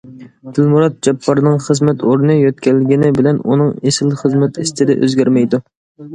دىلمۇرات جاپپارنىڭ خىزمەت ئورنى يۆتكەلگىنى بىلەن ئۇنىڭ ئېسىل خىزمەت ئىستىلى ئۆزگەرمەيدۇ.